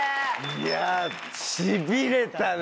いやしびれたね！